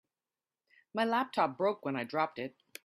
My laptop broke when I dropped it.